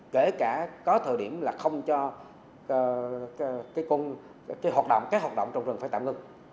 kể cả có thời điểm là không cho các hoạt động trong rừng phải tạm ngưng